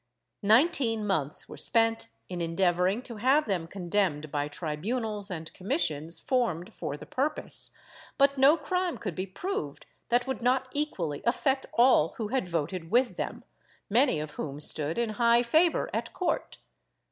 Nineteen months were spent in endeavoring to have them con demned by trilDunals and commissions formed for the purpose, but no crime could be proved that would not equally affect all who had voted with them, many of whom stood in high favor at court.